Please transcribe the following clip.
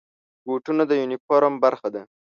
بوټونه د یونیفورم برخه ده.